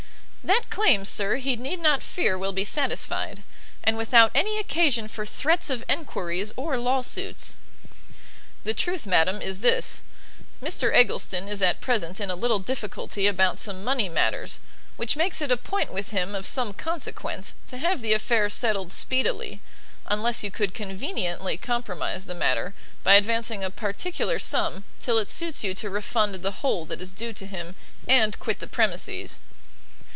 "That claim, sir, he need not fear will be satisfied; and without any occasion for threats of enquiries or law suits." "The truth, madam, is this; Mr Eggleston is at present in a little difficulty about some money matters, which makes it a point with him of some consequence to have the affair settled speedily: unless you could conveniently compromise the matter, by advancing a particular sum, till it suits you to refund the whole that is due to him, and quit the premises."